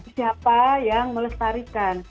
siapa yang melestarikan